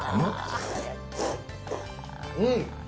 うん。